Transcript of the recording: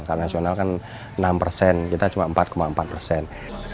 karena nasional kan enam persen kita cuma empat empat persen